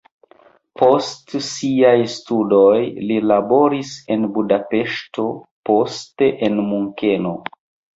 Post siaj studoj li laboris en Budapeŝto, poste en Munkeno.